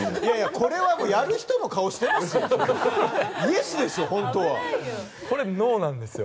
これはやる人の顔してますよ。